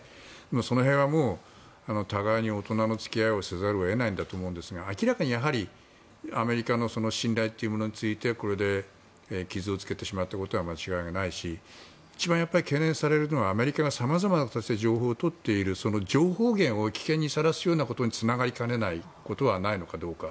その辺はもう互いに大人の付き合いをせざるを得ないんだと思いますが明らかにアメリカの信頼というものについてこれで傷をつけてしまったことは間違いないし一番懸念されるのはアメリカが様々な形で情報を取っているその情報源を危険にさらすようなことにつながりかねないことはないのかどうか。